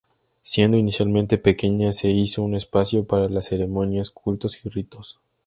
Siendo inicialmente pequeña, se hizo un espacio para las ceremonias, cultos y ritos.